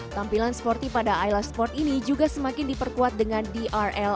tampilan sporty pada ayla sport ini juga semakin diperkuat dengan drl